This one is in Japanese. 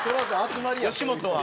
吉本は。